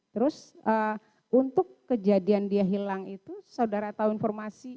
terus untuk kejadian dia hilang itu saudara tahu informasi